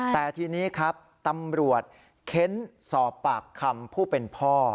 แต่ทีนี้ครับตำรวจเค้นสอบปากคำผู้เป็นพ่อ